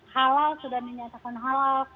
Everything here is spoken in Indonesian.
halal sudah dinyatakan halal